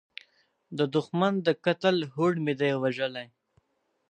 د دوښمن د قتل هوډ مې دی وژلی